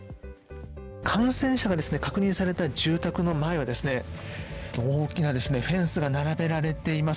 感染者が確認された住宅の前は大きなフェンスが並べられています。